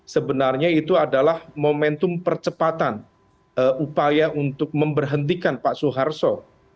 sebenarnya itu adalah momentum percepatan upaya untuk memberhentikan pak soeharto